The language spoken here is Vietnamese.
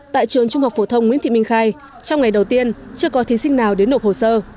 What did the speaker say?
tại trường trung học phổ thông nguyễn thị minh khai trong ngày đầu tiên chưa có thí sinh nào đến nộp hồ sơ